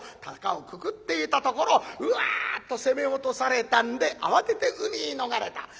たかをくくっていたところ「うわ！」と攻め落とされたんで慌てて海に逃れた。